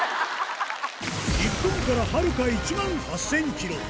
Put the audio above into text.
日本からはるか１万８０００キロ。